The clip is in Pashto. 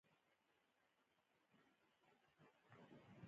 د هیواد د اتحاد لپاره باید پښتو ژبه ملی اعلان شی